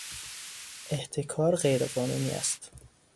احتکار غیرقانونی است.